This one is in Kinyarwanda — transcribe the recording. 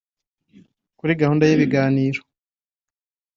Kuri gahunda y’ibiganiro